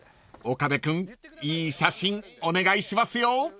［岡部君いい写真お願いしますよ］